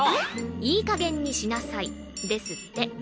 「いい加減にしなさい！」ですって。